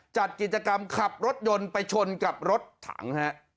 จัดกิจกรรมขับรถยนต์ไปชนกับรถถังฮะ